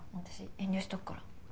私遠慮しとくから。